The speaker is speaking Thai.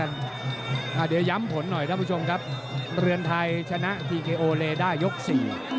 พอมาว่ากรรมให้ไฟ้นานละกัน